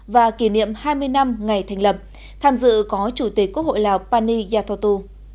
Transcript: và kỷ niệm hai mươi năm ngày thành lập tham dự có chủ tịch quốc hội lào pani yathotu